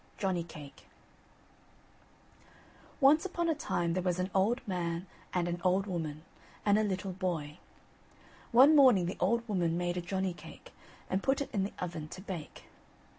JOHNNY CAKE Once upon a time there was an old man, and an old woman, and a little boy. One morning the old woman made a Johnny cake, and put it in the oven to bake.